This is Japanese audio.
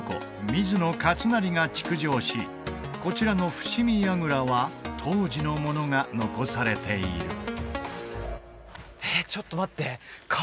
水野勝成が築城しこちらの伏見櫓は当時のものが残されている福山